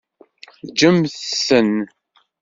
Ǧǧem-ten.